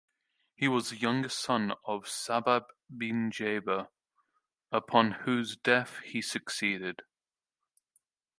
He was the youngest son of Sabah bin Jaber, upon whose death he succeeded.